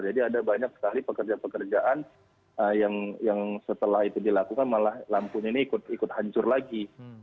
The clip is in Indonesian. jadi ada banyak sekali pekerjaan pekerjaan yang setelah itu dilakukan malah lampunya ini ikut hancur lagi